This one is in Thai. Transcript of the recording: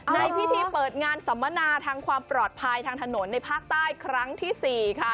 ในพิธีเปิดงานสัมมนาทางความปลอดภัยทางถนนในภาคใต้ครั้งที่๔ค่ะ